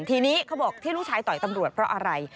ทีนี้เขาบอกที่ลูกชายต่อยตำรวจเพราะอะไร